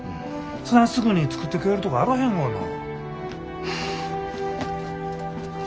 そないすぐに作ってくれるとこあらへんがな。